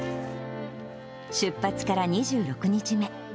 出発から２６日目。